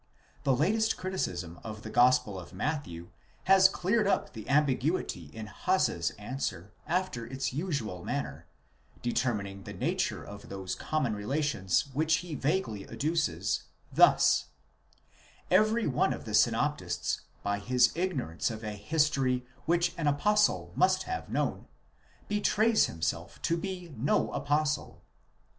The latest criticism of the gospel of Matthew has cleared up the ambiguity in Hase's answer after its usual manner, determining the nature of those common relations which he vaguely adduces, thus: Every one of the synoptists, by his ignorance of a history which an apostle must have known, betrays himself to be no apostle.